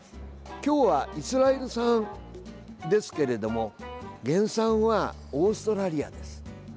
今日はイスラエル産ですけれども原産はオーストラリアです。